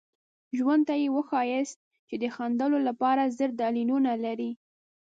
ژوند ته یې وښایاست چې د خندلو لپاره زر دلیلونه لرئ.